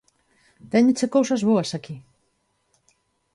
Téñenche cousas boas aquí.